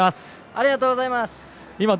ありがとうございます。